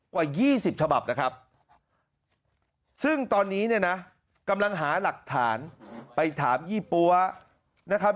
กว่า๒๐ฉบับนะครับซึ่งตอนนี้เนี่ยนะกำลังหาหลักฐานไปถามยี่ปั๊วนะครับ